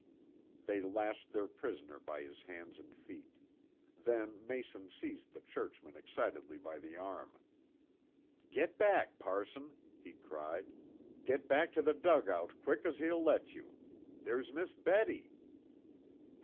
They lashed their prisoner by his hands and feet. Then Mason seized the churchman excitedly by the arm. "Get back, parson!" he cried. "Get back to the dugout quick as hell'll let you! There's Miss Betty!"